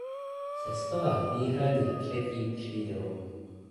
Cestoval výhradně třetí třídou.